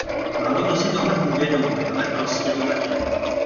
Málokdo si tohle uvědomuje, ale prostě to tak je.